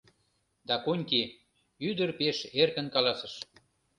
— Дакунти, — ӱдыр пеш эркын каласыш.